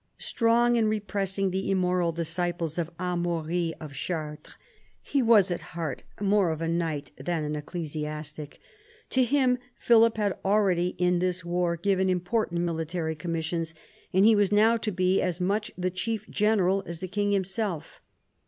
Strong in repressing the immoral disciples of Amaury of Chartres, he was at heart more of a knight than an ecclesiastic. To him Philip had already in this war given important military commissions, and he was now to be as much the chief general as the king himself.